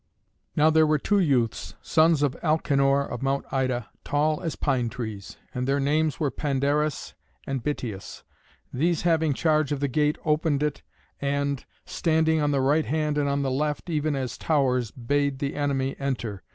Now there were two youths, sons of Alcanor of Mount Ida, tall as pine trees; and their names were Pandarus and Bitias. These having charge of the gate opened it, and standing on the right hand and on the left, even as towers, bade the enemy enter.